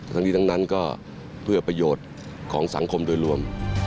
ทั้งนี้ทั้งนั้นก็เพื่อประโยชน์ของสังคมโดยรวม